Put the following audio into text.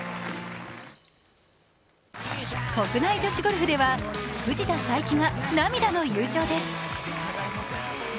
国内女子ゴルフでは藤田さいきが涙の優勝です。